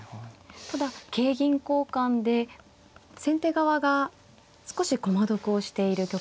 ただ桂銀交換で先手側が少し駒得をしている局面でしょうか。